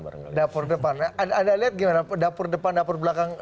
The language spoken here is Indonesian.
anda lihat gimana dapur depan dapur belakang